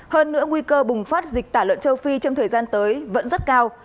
hơn nữa nguy cơ bùng phát dịch tả lợn châu phi trong thời gian tới vẫn rất cao